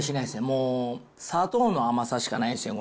もう砂糖の甘さしかないですよね。